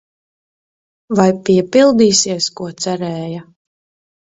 Vai piepildīsies, ko cerēja?